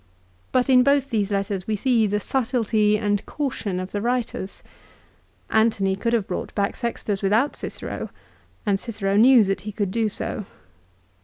But in both these letters we see the subtilty and caution of the writers. Antony could have brought back Sextus without Cicero, and Cicero knew that he could do so.